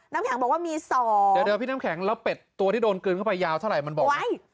น้ำแข็งบอกว่ามี๒เดี๋ยวพี่น้ำแข็งแล้วเป็ดตัวที่โดนกลืนเข้าไปยาวเท่าไหร่มันบอกไว้